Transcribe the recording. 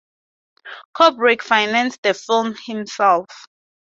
Kubrick financed the film himself.